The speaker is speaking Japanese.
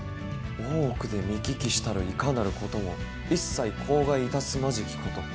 大奥で見聞きしたるいかなることも一切口外いたすまじきこと。